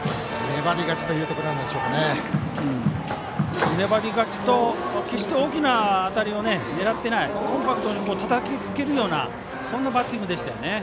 粘り勝ちと決して大きな当たりを狙っていないコンパクトにたたきつけるようなそんなバッティングでしたね。